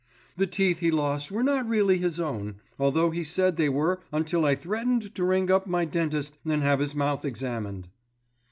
The teeth he lost were not really his own, although he said they were until I threatened to ring up my dentist and have his mouth examined."